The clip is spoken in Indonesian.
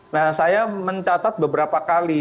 nah saya mencatat beberapa kali